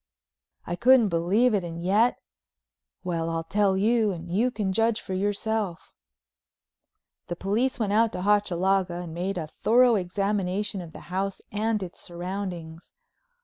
I couldn't believe it and yet—well, I'll tell you and you can judge for yourself. The police went out to Hochalaga and made a thorough examination of the house and its surroundings.